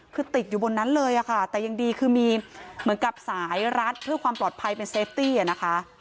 คือติดอยู่บนนั้นเลยค่ะแต่ยังดีคือมีเหมือนกับสายรัดเพื่อความปลอดภัยเป็นเซฟตี้อะนะคะ